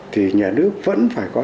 thì nhà nước vẫn phải có